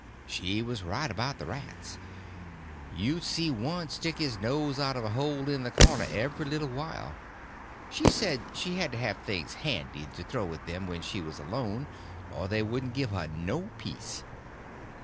She was right about the rats. You'd see one stick his nose out of a hole in the corner every little while. She said she had to have things handy to throw at them when she was alone, or they wouldn't give her no peace.